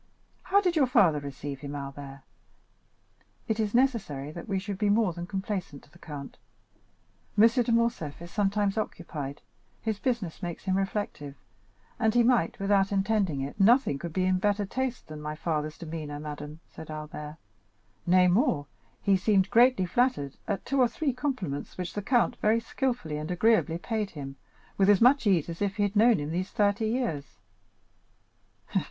How did your father receive him, Albert? It is necessary that we should be more than complaisant to the count. M. de Morcerf is sometimes occupied, his business makes him reflective, and he might, without intending it——" "Nothing could be in better taste than my father's demeanor, madame," said Albert; "nay, more, he seemed greatly flattered at two or three compliments which the count very skilfully and agreeably paid him with as much ease as if he had known him these thirty years.